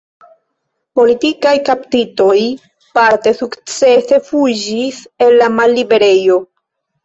Politikaj kaptitoj parte sukcese fuĝis el la malliberejo.